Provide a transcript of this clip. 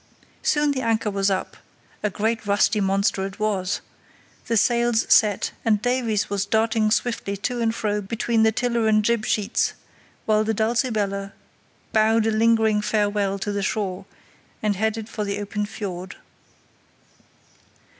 Soon the anchor was up (a great rusty monster it was!), the sails set, and Davies was darting swiftly to and fro between the tiller and jib sheets, while the Dulcibella bowed a lingering farewell to the shore and headed for the open fiord.